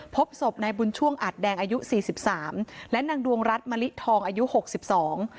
พบศพนายบุญช่วงอัดแดงอายุสี่สิบสามและนางดวงรัฐมะลิทองอายุหกสิบสอง